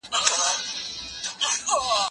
زه له سهاره مکتب ته ځم،